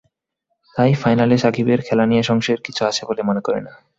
তাই ফাইনালে সাকিবের খেলা নিয়ে সংশয়ের কিছু আছে বলে মনে করি না।